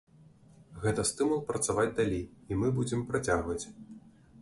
Гэта стымул працаваць далей, і мы будзем працягваць.